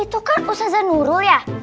itu kan khususnya nurul ya